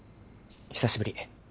久しぶり。